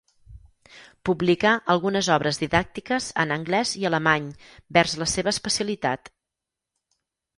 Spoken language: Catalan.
Publicà algunes obres didàctiques en anglès i alemany vers la seva especialitat.